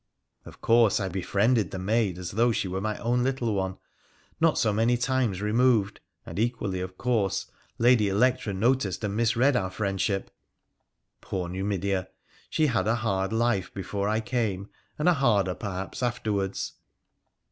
Of course, I befriended the maid as though she were my own little one, not so many times removed, and equally, of course, Lady Electra noticed and misread our friendship. Poor Numidea ! she had a hard life before I came, and a harder, perhaps, afterwards.